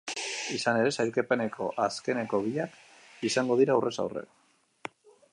Izan ere, sailkapeneko azkeneko biak izango dira aurrez aurre.